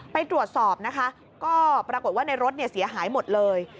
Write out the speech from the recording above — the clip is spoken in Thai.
ไปตรวจสอบนะคะก็ปรากฏว่าในรถเสียหายหมดเลย